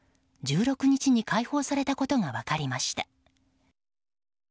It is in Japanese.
１６日に解放されたことが分かりました。